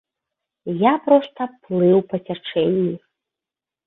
Я проста плыў па цячэнні.